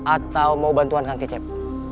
atau mau bantuan kak cacep